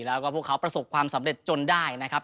แล้วก็พวกเขาประสบความสำเร็จจนได้นะครับ